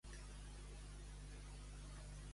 Forment és així com llebre, que no l'ateny tot ca.